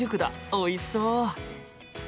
おいしそう！